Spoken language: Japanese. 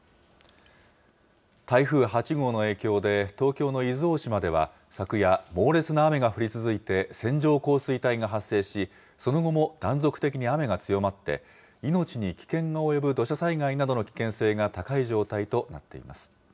台風８号の影響で、東京の伊豆大島では、昨夜、猛烈な雨が降り続いて線状降水帯が発生し、その後も断続的に雨が強まって、命に危険が及ぶ土砂災害などの危険性が高い状態となっています。